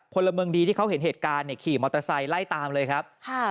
พลเมืองดีที่เขาเห็นเหตุการณ์เนี่ยขี่มอเตอร์ไซค์ไล่ตามเลยครับ